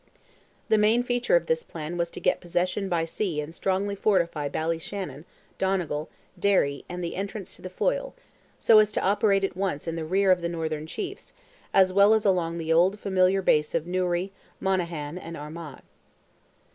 The main feature of this plan was to get possession by sea and strongly fortify Ballyshannon, Donegal, Derry, and the entrance to the Foyle, so as to operate at once in the rear of the northern chiefs, as well as along the old familiar base of Newry, Monaghan, and Armagh.